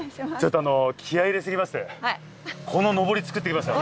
気合入れすぎましてこののぼり作ってきました。